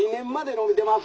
のびてます」。